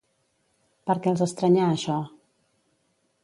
Per què els estranyà això?